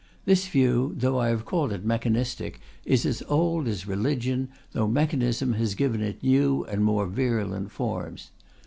This view, though I have called it mechanistic, is as old as religion, though mechanism has given it new and more virulent forms.